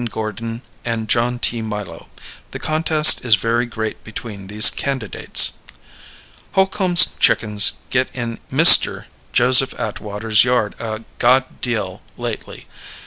Gordon and John T Milo. The contest is very great between these candidates. Holcombs chickens get in MR. Joseph Atwater's yard a god deal lately.